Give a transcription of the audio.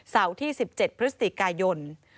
เสาร์ที่๑๗พฤศจิกายน